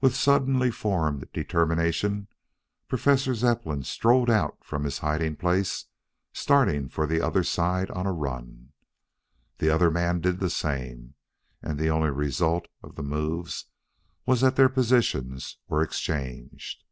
With suddenly formed determination, Professor Zepplin strode out from his hiding place, starting for the other side on a run. The other man did the same, and the only result of the move was that their positions were exchanged.